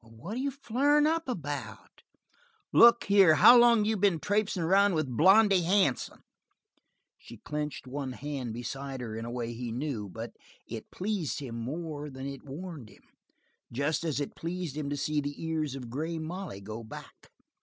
"What are you flarin' up about?" "Look here, how long have you been traipsin' around with Blondy Hansen?" She clenched one hand beside her in a way he knew, but it pleased him more than it warned him, just as it pleased him to see the ears of Grey Molly go back.